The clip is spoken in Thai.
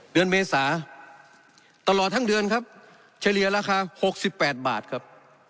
เดือนเมษาตลอดทั้งเดือนครับเฉลี่ยราคา๖๘บาทครับ